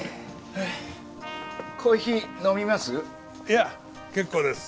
コーヒー飲みます？